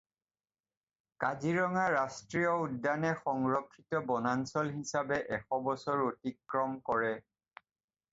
কাজিৰঙা ৰাষ্ট্ৰীয় উদ্যানে সংৰক্ষিত বনাঞ্চল হিচাপে এশ বছৰ অতিক্ৰম কৰে।